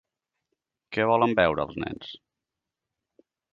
Què volen beure els nens?